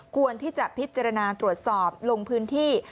ควรที่จะพิจารณาตรวจสอบลงพื้นที่